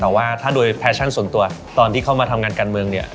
แต่ว่าถ้าโดยแฟชั่นส่วนตัวตอนที่เข้ามาทำงานการเมืองเนี่ย